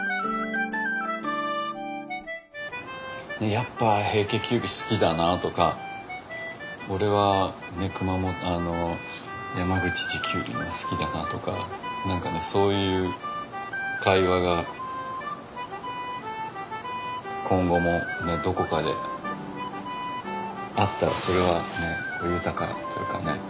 やっぱ平家キュウリ好きだなとか俺は山口地キュウリが好きだなとか何かねそういう会話が今後もどこかであったらそれは豊かというかね